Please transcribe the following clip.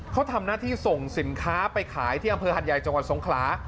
เขาทำหน้าที่ส่งสินค้าไปขายที่อำเภอหัดใหญ่จังหวัดสงขลา